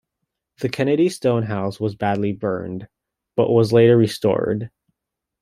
The Kennedy Stone house was badly burned, but was later restored.